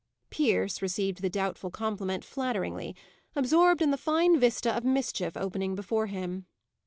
Pierce received the doubtful compliment flatteringly, absorbed in the fine vista of mischief opening before him.